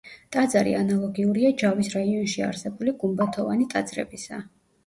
ტაძარი ანალოგიურია ჯავის რაიონში არსებული გუმბათოვანი ტაძრებისა.